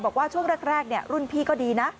บอกว่าช่วงแรกรุ่นพี่ก็ดีนะ